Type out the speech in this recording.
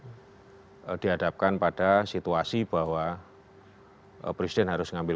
jadi dihadapkan pada situasi bahwa presiden harus mengambil